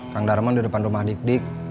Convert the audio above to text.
kang darman di depan rumah dik dik